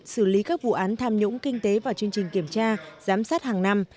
xử lý các vụ án tham nhũng kinh tế và chương trình kiểm tra giám sát hàng năm